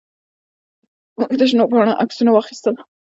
موږ د شنو پاڼو عکسونه واخیستل.